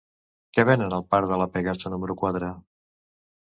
Què venen al parc de La Pegaso número quatre?